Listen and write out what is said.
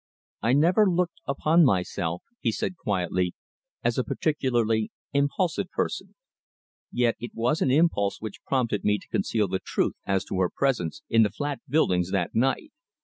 "I never looked upon myself," he said quietly, "as a particularly impulsive person. Yet it was an impulse which prompted me to conceal the truth as to her presence in the flat buildings that night.